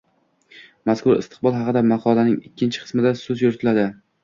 Mazkur istiqbol haqida maqolaning ikkinchi qismida so‘z yuritiladi.